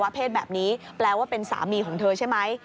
เพศแบบนี้แปลว่าเป็นสามีของเธอใช่ไหม